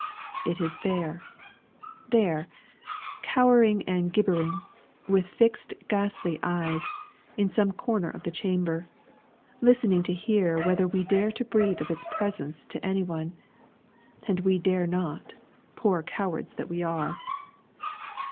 It is there there, cowering and gibbering, with fixed ghastly eyes, in some corner of the chamber, listening to hear whether we dare to breathe of its presence to any one. And we dare not; poor cowards that we are!